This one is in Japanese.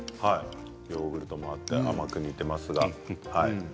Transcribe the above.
ヨーグルトもあって甘く煮ていますが。